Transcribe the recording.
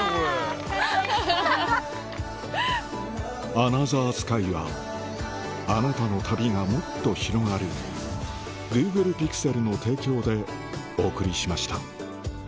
アナザースカイは、あなたの旅がもっと広がる、ＧｏｏｇｌｅＰｉｘｅｌの提供でお送りしました。